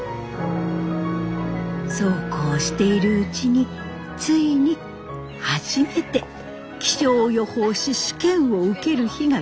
そうこうしているうちについに初めて気象予報士試験を受ける日がやって来ました。